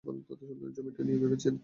জমিটা নিয়ে ভেবেছেন?